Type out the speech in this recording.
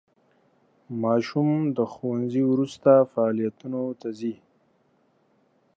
ماشوم د ښوونځي وروسته فعالیتونو ته ځي.